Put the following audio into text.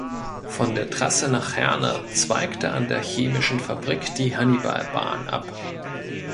Von der Trasse nach Herne zweigte an der Chemischen Fabrik die Hannibal-Bahn ab.